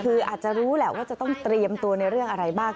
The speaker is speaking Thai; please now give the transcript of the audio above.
คืออาจจะรู้แหละว่าจะต้องเตรียมตัวในเรื่องอะไรบ้าง